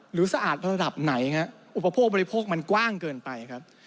สะอาดระดับไหนฮะอุปโภคบริโภคมันกว้างเกินไปครับ